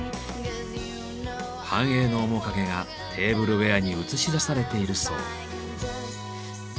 繁栄の面影がテーブルウエアに映し出されているそう。